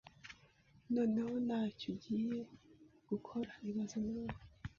Noneho, ntacyo ugiye gukora ibaze nawe